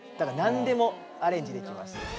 だからなんでもアレンジできます。